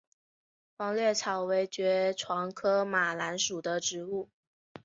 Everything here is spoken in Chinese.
黄猄草为爵床科马蓝属的植物。